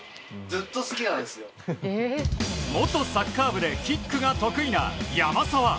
元サッカー部でキックが得意な山沢。